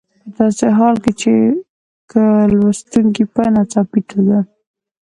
په داسې حال کې چې که لوستونکي په ناڅاپي توګه.